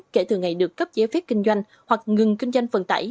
kể từ ngày được cấp giấy phép kinh doanh hoặc ngừng kinh doanh vận tải